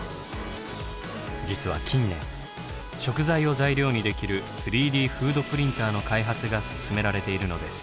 実は近年食材を材料にできる３Ｄフードプリンターの開発が進められているのです。